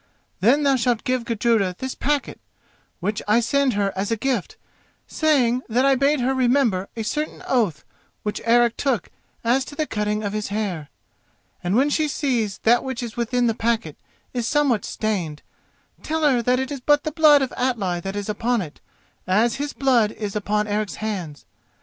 Then thou shalt give Gudruda this packet, which I send her as a gift, saying, that I bade her remember a certain oath which Eric took as to the cutting of his hair. And when she sees that which is within the packet is somewhat stained, tell her that is but the blood of Atli that is upon it, as his blood is upon Eric's hands.